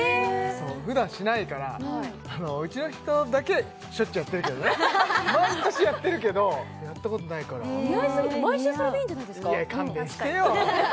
そうふだんしないからはいあのうちの人だけしょっちゅうやってるけどね毎年やってるけどやったことないから似合いすぎて毎週それでいいんじゃないですかいや勘弁してよ！